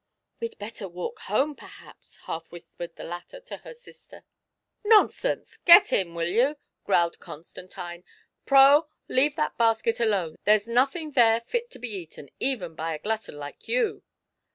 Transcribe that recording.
" We'd better walk home, perhaps," half whispered the latter to her sister. " Nonsense ! get in, will you !" growled Constantine. " Pro, leave that basket alone ; there's nothing there fit to be eaten, even by a glutton like you."